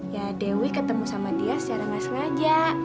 ya dewi ketemu sama dia secara gak sengaja